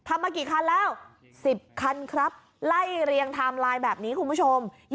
มากี่คันแล้ว๑๐คันครับไล่เรียงไทม์ไลน์แบบนี้คุณผู้ชม